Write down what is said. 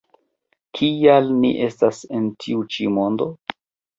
Kial ni estas en tiu ĉi mondo?